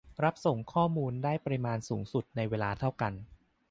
รับส่งข้อมูลได้ปริมาณสูงสุดในเวลาเท่ากัน